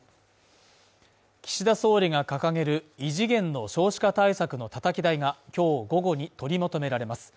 岸田総理が掲げる異次元の少子化対策のたたき台が、今日午後に取りまとめられます。